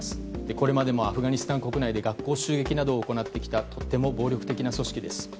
これまでもアフガニスタン国内で学校襲撃などを行ってきたとても暴力的な組織です。